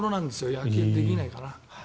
野球、できないかな。